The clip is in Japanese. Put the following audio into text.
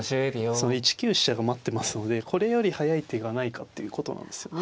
その１九飛車が待ってますのでこれより速い手がないかっていうことなんですよね。